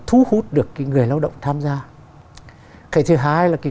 thu hút được cái người lao động tham gia cái thứ hai là cái